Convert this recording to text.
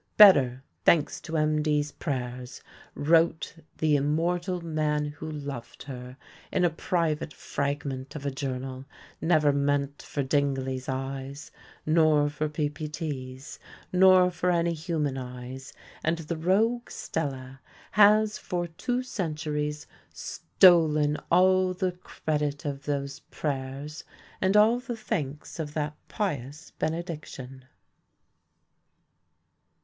"Better, thanks to MD's prayers," wrote the immortal man who loved her, in a private fragment of a journal, never meant for Dingley's eyes, nor for Ppt's, nor for any human eyes; and the rogue Stella has for two centuries stolen all the credit of those prayers, and all the thanks of that pious benediction.